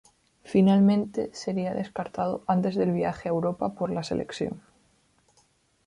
Finalmente seria descartado antes del viaje a Europa por la selección.